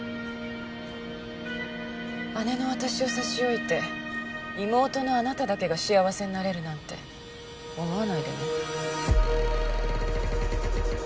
姉の私を差し置いて妹のあなただけが幸せになれるなんて思わないでね。